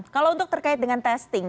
kalau untuk terkait dengan testing